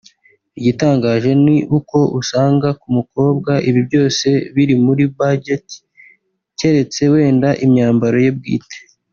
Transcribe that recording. Igitangaje rero ni uko usanga ku mukobwa ibi byose biri muri budget keretse wenda imyambaro ye bwite